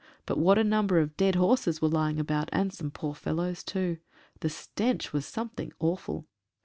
But what a number of dead horses were lying about, and some poor fellows too. The stench was something awful.